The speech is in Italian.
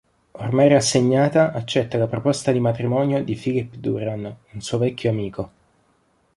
Ormai rassegnata, accetta la proposta di matrimonio di Philip Duran, un suo vecchio amico.